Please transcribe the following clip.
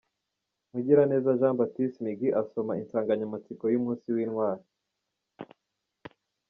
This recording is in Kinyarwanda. Mugiraneza Jean Baptiste Miggy asoma insanganyamatsiko y'umunsi w'Intwali.